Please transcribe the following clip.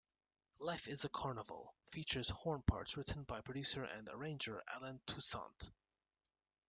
"Life Is a Carnival" features horn parts written by producer and arranger Allen Toussaint.